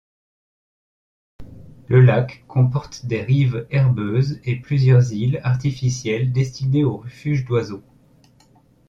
Le lac comporte des rives herbeuses et plusieurs îles artificielles destinées aux refuges d'oiseaux.